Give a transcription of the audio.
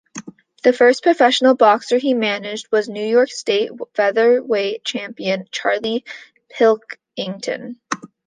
The first professional boxer he managed was New York State featherweight champion Charlie Pilkington.